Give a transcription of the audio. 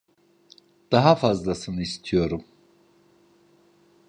Daha fazlasını istiyorum.